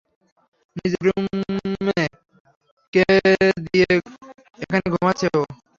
নিজের রুম মে কে দিয়ে এখানে ঘুমাচ্ছে ও।